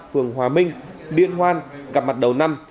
phường hòa minh điên hoan gặp mặt đầu năm